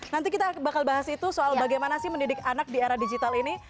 nanti kita bakal bahas itu soal bagaimana sih mendidik anak di era digital ini